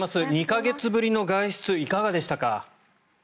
２か月ぶりの外出いかがでしたか？